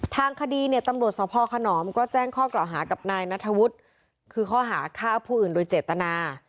ทางคดีเนี่ยตำรวจสภขนอมก็แจ้งข้อกล่าวหากับนายนัทวุฒิคือข้อหาฆ่าผู้อื่นโดยเจตนา